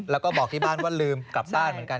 แล้วก็บอกที่บ้านว่าลืมกลับซ่านเหมือนกัน